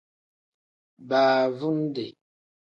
Baavundi.